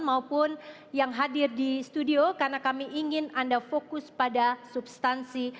maupun yang hadir di studio karena kami ingin anda fokus pada substansi